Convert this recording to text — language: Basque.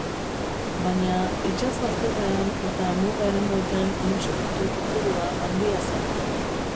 Baina itsas bazterrean eta muga eremuetan intsumitu kopurua handia zen.